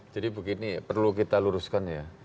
jadi begini perlu kita luruskan ya